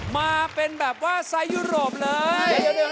มาเป็นแบบว่าไซส์ยุโรปเลย